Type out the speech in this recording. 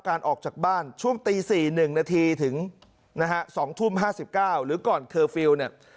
ออกจากบ้านช่วงตี๔๑นาทีถึงนะฮะ๒ทุ่ม๕๙หรือก่อนเคอร์ฟิลล์เนี่ย